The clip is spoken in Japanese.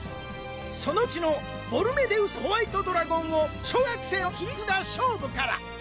そのうちのボルメテウス・ホワイト・ドラゴンを小学生の切札勝舞から。